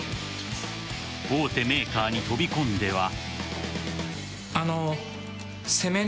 大手メーカーに飛び込んでは。